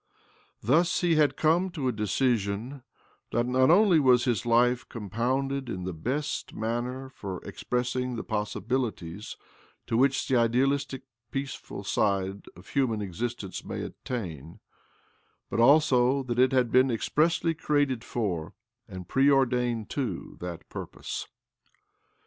Thus he had come to a decision that not only was his OBLOMOV 279 life compounded in the best талпег for ex pressing the possibilities to which the idealistic peaceful side of human existence may attain, but also that it had been expressly created for, and preordained to, that purpose